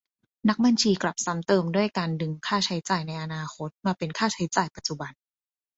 นักบัญชีกลับซ้ำเติมด้วยการดึงค่าใช้จ่ายในอนาคตมาเป็นค่าใช้จ่ายปัจจุบัน ?